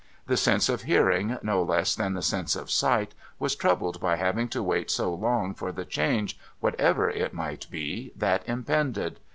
The sense of hearing, no less than the sense of sight, was troubled by having to wait so long for the change, whatever it might be, that impended.